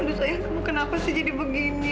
aduh saya kamu kenapa sih jadi begini